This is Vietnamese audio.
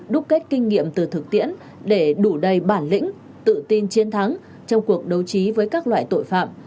đúc kết kinh nghiệm từ thực tiễn để đủ đầy bản lĩnh tự tin chiến thắng trong cuộc đấu trí với các loại tội phạm